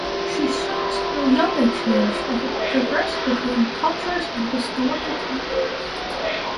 She shows how yoga changed as it traversed between cultures and historical contexts.